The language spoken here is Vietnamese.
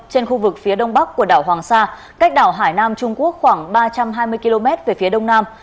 trên khu vực phía đông bắc của đảo hoàng sa cách đảo hải nam trung quốc khoảng ba trăm hai mươi km về phía đông nam